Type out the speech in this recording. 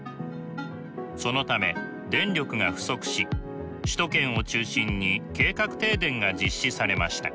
そのため電力が不足し首都圏を中心に計画停電が実施されました。